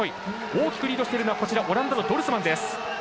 大きくリードしているのはオランダのドルスマンです。